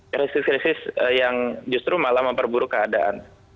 krisis krisis yang justru malah memperburuk keadaan